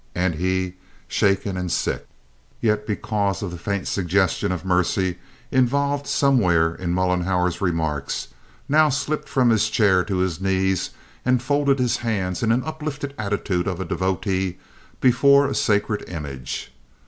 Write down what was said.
And he, shaken and sick, yet because of the faint suggestion of mercy involved somewhere in Mollenhauer's remarks, now slipped from his chair to his knees and folded his hands in the uplifted attitude of a devotee before a sacred image.